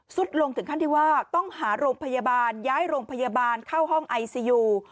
ลงถึงขั้นที่ว่าต้องหาโรงพยาบาลย้ายโรงพยาบาลเข้าห้องไอซียู